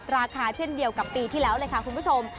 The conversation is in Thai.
ราคาเช่นเดียวกับปีที่แล้วเลยค่ะคุณผู้ชม